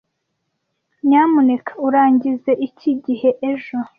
Nyamuneka urangize iki gihe ejo.